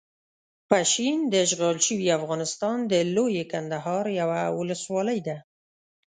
پشین داشغال شوي افغانستان د لويې کندهار یوه ولسوالۍ ده.